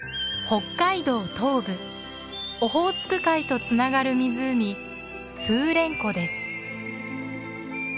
北海道東部オホーツク海とつながる湖風蓮湖です。